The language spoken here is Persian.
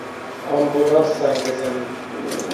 آمبولانس زنگ بزنید!